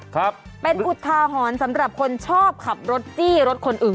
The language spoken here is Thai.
ครับเป็นอุทาหรณ์สำหรับคนชอบขับรถจี้รถคนอื่น